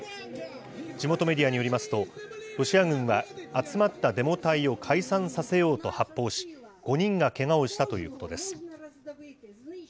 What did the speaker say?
地元メディアによりますと、ロシア軍は集まったデモ隊を解散させようと発砲し、５人がけがをしたということです。